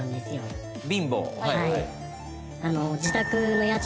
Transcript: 「はい」